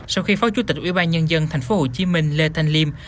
sau khi phó chủ tịch ubnd tp hcm lê thanh liêm